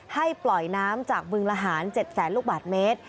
ให้ปล่อยน้ำจากบึงละหาร๗๐๐ลูกบาทเมตร